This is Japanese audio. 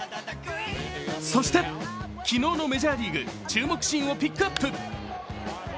そして昨日のメジャーリーグ注目シーンをピックアップ。